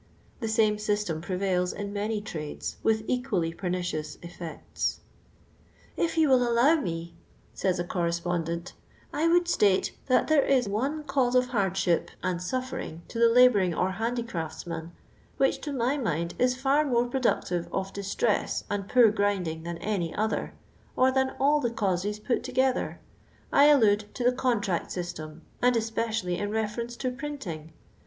The same system prevails in mmy trades with equally pernicious effects. " If you will allow me," says a correspondent, ''I would state that there is one cause of hardship LONDON LABOUR AND THE LONDON POOR. 381 and snflfering to the labouring or handicraftsman, which, to my mind, is &r more productive of distress and poor grinding than any other, or than all other causes put together : I allude to the con tract system, and especially in reference to print ing.